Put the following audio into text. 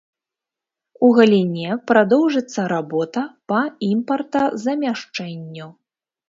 У галіне прадоўжыцца работа па імпартазамяшчэнню.